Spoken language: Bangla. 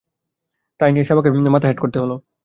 তাই নিয়ে শ্যামাকে মাথা হেঁট করতে হল।